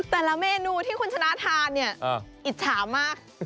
แต่ละเมนูที่คุณชนะทานเนี่ยอิจฉามาก